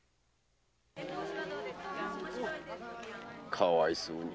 かわいそうに。